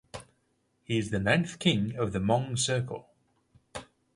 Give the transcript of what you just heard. He is the ninth king of the Mong circle.